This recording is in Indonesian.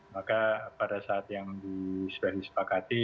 maka pada saat yang sudah disepakati